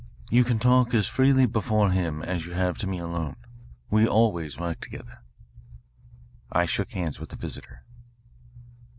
"You can talk as freely before him as you have to me alone. We always work together." I shook hands with the visitor.